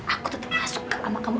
aku tetap gak suka sama kamu